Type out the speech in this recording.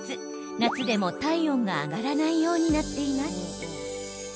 夏でも体温が上がらないようになっています。